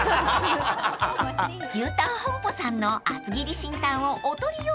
［牛たん本舗さんの厚切り芯タンをお取り寄せ］